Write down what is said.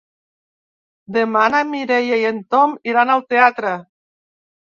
Demà na Mireia i en Tom iran al teatre.